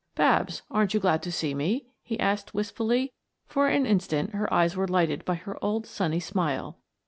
"Babs, aren't you glad to see me?" he asked wistfully. For an instant her eyes were lighted by her old sunny smile.